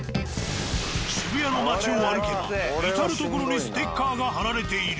渋谷の街を歩けば至る所にステッカーが貼られている。